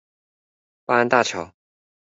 八安大橋